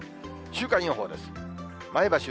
週間予報です。